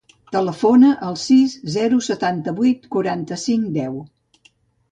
Telefona al sis, zero, setanta-vuit, quaranta-cinc, deu.